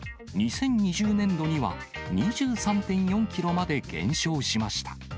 ２０２０年度には２３．４キロまで減少しました。